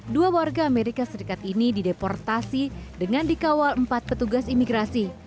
dua warga amerika serikat ini dideportasi dengan dikawal empat petugas imigrasi